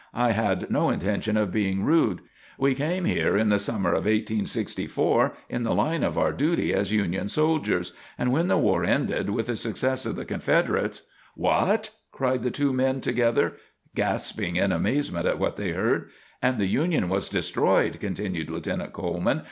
"I had no intention of being rude. We came here in the summer of 1864, in the line of our duty as Union soldiers, and when the war ended with the success of the Confederates " "What!" cried the two men together, gasping in amazement at what they heard. "And the Union was destroyed," continued Lieutenant Coleman.